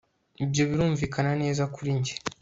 ibyo birumvikana neza kuri njye